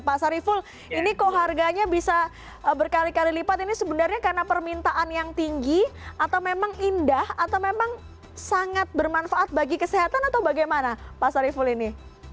pak sariful ini kok harganya bisa berkali kali lipat ini sebenarnya karena permintaan yang tinggi atau memang indah atau memang sangat bermanfaat bagi kesehatan atau bagaimana pak sariful ini